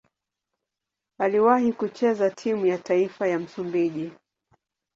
Aliwahi kucheza timu ya taifa ya Msumbiji.